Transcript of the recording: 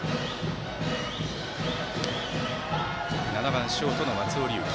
７番ショートの松尾龍樹。